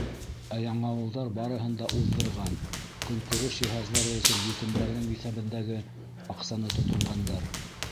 Ә яңауылдар барыһын да уҙҙырған: көнкүреш йыһаздары өсөн етемдәрҙең иҫәбендәге аҡсаны тотонғандар.